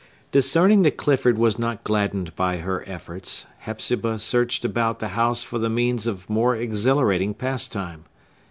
Discerning that Clifford was not gladdened by her efforts, Hepzibah searched about the house for the means of more exhilarating pastime.